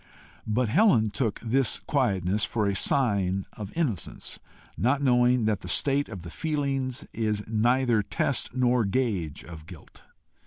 But Helen took this quietness for a sign of innocence, not knowing that the state of the feelings is neither test nor gauge of guilt.